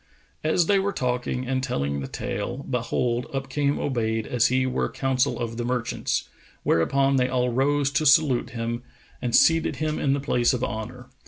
'" As they were talking and telling the tale, behold, up came Obayd as he were Consul[FN#462] of the Merchants; whereupon they all rose to salute him and seated him in the place of honour.